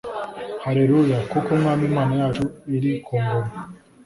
Haleluya! Kuko Umwami Imana yacu iri ku ngoma.